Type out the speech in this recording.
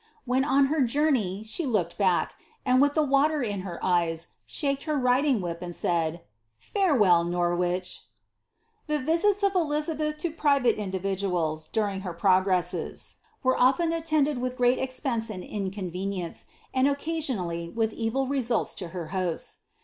"'When on her journey, she looked back, and with the water 10 her eyes, shaked her riding whip, and said, » Farewell, Norwichr"' The visits of Elizabeth lo private individuals, during her progresses, were often attended with great expense and inconvenience, and occa sionally with evil results lo her hosts.